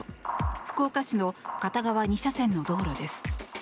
福岡市の片側２車線の道路です。